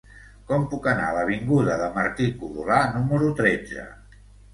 Com puc anar a l'avinguda de Martí-Codolar número tretze?